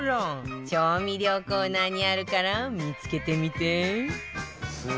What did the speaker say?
調味料コーナーにあるから見付けてみて